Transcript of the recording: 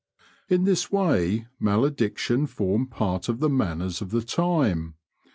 In this way malediction formed part of the manners of the time.